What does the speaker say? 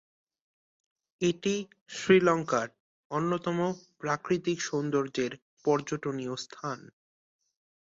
এটি শ্রীলঙ্কার অন্যতম প্রাকৃতিক সৌন্দর্যের পর্যটনীয় স্থান।